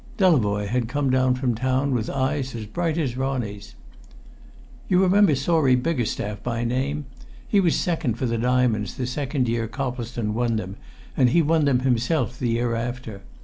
Delavoye had come down from town with eyes as bright as Ronnie's. "You remember Sawrey Biggerstaff by name? He was second for the Diamonds the second year Coplestone won them, and he won them himself the year after.